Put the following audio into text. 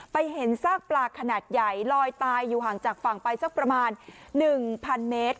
ไปเห็นซากปลาขนาดใหญ่ลอยตายอยู่ห่างจากฝั่งไปสักประมาณ๑๐๐เมตร